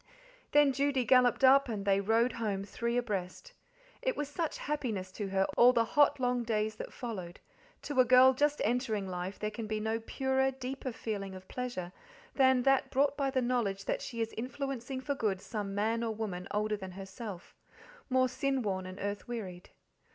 Then Judy galloped up and they rode home three abreast. It was such happiness to her all the hot, long days that followed; to a girl just entering life there can be no purer, deeper feeling of pleasure than that brought by the knowledge that she is influencing for good some man or woman older than herself, more sin worn and earth wearied.